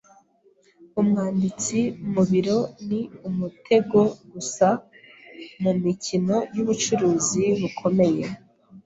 Umwanditsi mu biro ni umutego gusa mumikino yubucuruzi bukomeye.